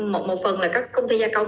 một phần là các công ty gia công